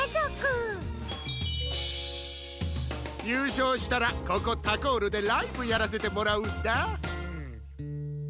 ゆうしょうしたらここタコールでライブやらせてもらうんだ。